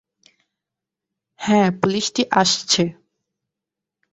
হ্যাঁ, পুলিশটা আসছে।